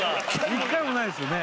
１回もないですよね